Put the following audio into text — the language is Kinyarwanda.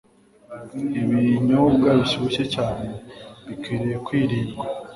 Ibinyobwa bishyushye cyane bikwiriye kwirindwa